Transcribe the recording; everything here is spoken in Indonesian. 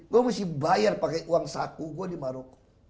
gue mesti bayar pakai uang saku gue di maroko